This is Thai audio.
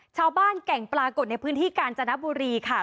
ชาวบ้านแก่งปลากฎในพื้นที่กาญจนบุรีค่ะ